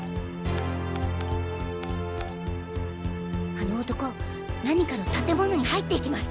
あの男何かの建物に入っていきます！